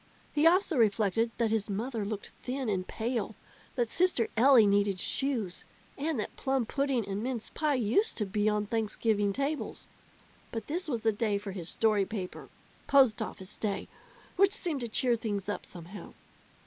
He also reflected that his mother looked thin and pale, that sister Ellie needed shoes, and that plum pudding and mince pie used to be on Thanksgiving tables. But this was the day for his story paper post office day which seemed to cheer things up somehow.